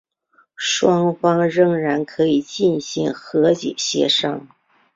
双方然后可以进行和解协商。